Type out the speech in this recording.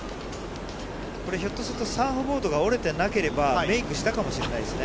これひょっとして、サーフボードが折れてなければ、メークしたかもしれないですね。